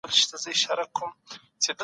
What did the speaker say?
د سړي سر عايد د پخوا په نسبت لوړ دی.